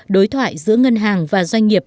đối thoại giữa ngân hàng và doanh nghiệp